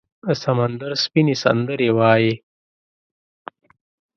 د سمندر سپینې، سندرې وایې